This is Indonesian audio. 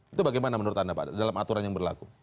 itu bagaimana menurut anda pak dalam aturan yang berlaku